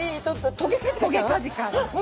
トゲカジカです。